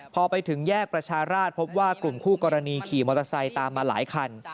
พอไปถึงแยกประชาราชพบว่ากลุ่มคู่กรณีขี่มอเตอร์ไซค์ตามมาหลายคัน